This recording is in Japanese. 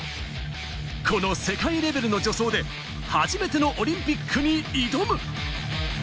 この世界レベルの助走で初めてのオリンピックに挑む。